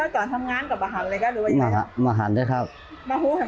ก็ตอนทำงานก็มาห่างเลยครับหรือยัง